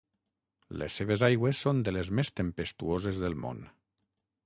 Les seves aigües són de les més tempestuoses del món.